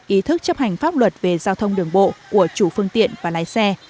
ý thức chấp hành pháp luật về giao thông đường bộ của chủ phương tiện và lái xe